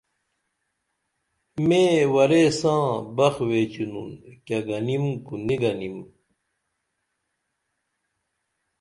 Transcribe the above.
میں ورے ساں بخ ویچینُن کیہ گنیم کو نی گنیم